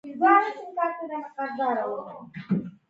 کارګران د کار د کمولو لپاره له پانګوالو سره مبارزه کوي